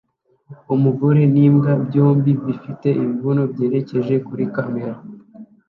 umugore n'imbwa byombi bifite ibibuno byerekeje kuri kamera